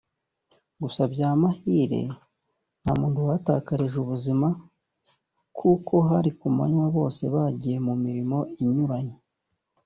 gusa by’amahire nta muntu wahatakarije ubuzima kuko hari ku manywa bose bagiye mu mirimo inyuranye